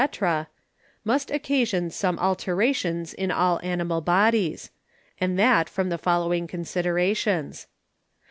_ must occasion some Alterations in all Animal Bodies; and that from the following Considerations.